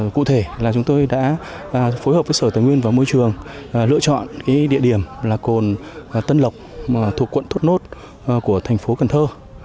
cụ thể là chúng tôi đã phối hợp với sở tài nguyên và môi trường lựa chọn địa điểm là cồn tân lộc thuộc quận thốt nốt của thành phố cần thơ